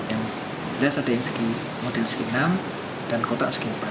yang terlihat ada yang model segit enam dan kotak segit empat